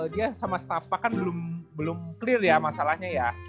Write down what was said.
dia sama setapak kan belum clear ya masalahnya ya